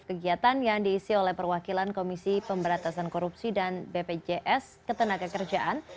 kegiatan yang diisi oleh perwakilan komisi pemberantasan korupsi dan bpjs ketenagakerjaan